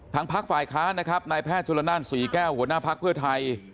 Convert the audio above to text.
ทางพฝ่ายค้านะครับนแพทธุรนานศ์สี่แก้วหัวหน้าภักดิ์เพื่อไทย